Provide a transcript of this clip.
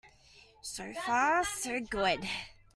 So far so good.